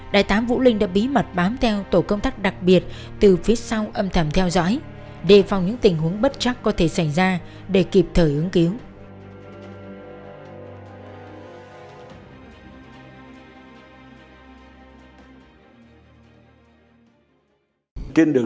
đại tá vũ linh đã bí mật bám theo tổ công tác đặc biệt từ phía sau âm thầm theo dõi đề phòng những tình huống bất chắc có thể xảy ra để kịp thời ứng cứu